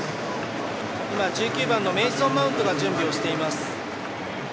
１９番のメイソン・マウントが準備をしています。